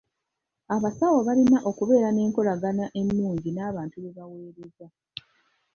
Abasawo balina okubeera n'enkolagana ennungi n'abantu be baweereza.